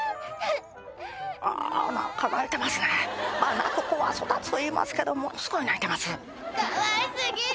ああ何か泣いてますね泣く子は育つ言いますけどもすごい泣いてます